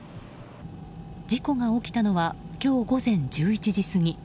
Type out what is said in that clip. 事故が起きたのは今日午前１１時過ぎ。